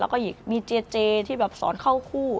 แล้วก็อีกมีเจเจที่แบบสอนเข้าคู่